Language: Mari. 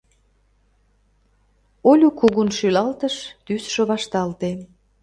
— Олю кугун шӱлалтыш, тӱсшӧ вашталте.